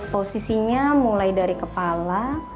posisinya mulai dari kepala